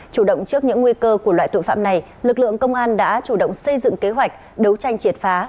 chủ động trước những nguy cơ của loại tội phạm này lực lượng công an đã chủ động xây dựng kế hoạch đấu tranh triệt phá